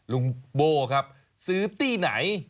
โบ้ครับซื้อตี้ไหน